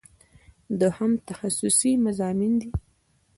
دوهم تخصصي مضامین دي.